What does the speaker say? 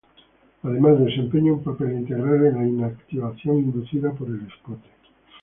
Además, desempeña un papel integral en la inactivación inducida por el escote.